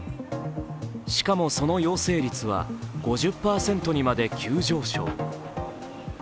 しかも、その陽性率は５０％にまで急上昇。